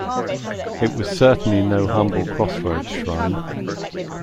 It was certainly no humble crossroads shrine.